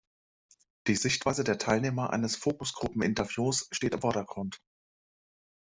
Die Sichtweise der Teilnehmer eines Fokusgruppen-Interviews steht im Vordergrund.